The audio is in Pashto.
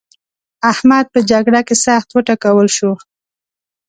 احمد په جګړه کې سخت وټکول شو.